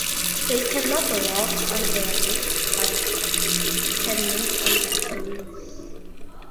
They cannot walk on their legs, but can move on their bellies.